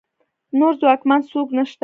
نور ځواکمن څوک نشته